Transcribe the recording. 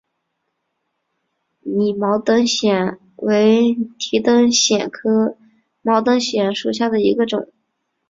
拟毛灯藓为提灯藓科毛灯藓属下的一个种。